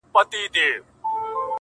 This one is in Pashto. دا د افغان د لوی ټبر مېنه ده!.